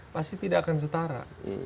pasti tidak akan setara